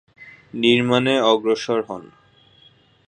নির্মাণে অগ্রসর হন।